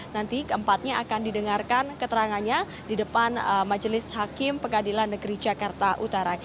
nanti keempatnya akan didengarkan keterangannya di depan majelis hakim pengadilan negeri jakarta utara